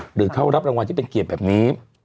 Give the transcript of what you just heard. หรือเข้ารับรางวัลที่เป็นเกียรติแบบนี้